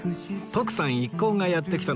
徳さん一行がやって来たのは